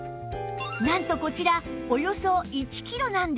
なんとこちらおよそ１キロなんです